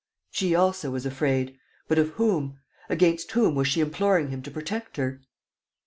She also was afraid. But of whom? Against whom was she imploring him to protect her?